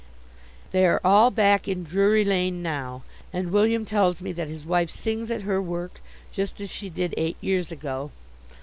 They are all back in Drury Lane now, and William tells me that his wife sings at her work just as she did eight years ago.